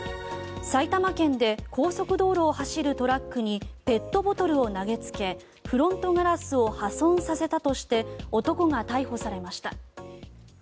埼玉県で高速道路を走るトラックにペットボトルを投げつけフロントガラスを破損させたとして男が逮捕されました。